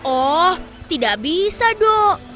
oh tidak bisa dok